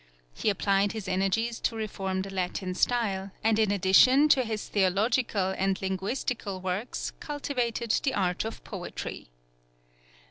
He applied his energies to reform the Latin style, and in addition to his theological and linguistical works cultivated the art of poetry.